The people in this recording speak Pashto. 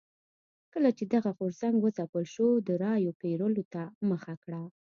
کله چې دغه غورځنګ وځپل شو د رایو پېرلو ته مخه کړه.